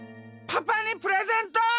パパにプレゼント！